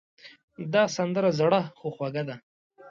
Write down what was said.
دا سندره زړې خو خوږه ده.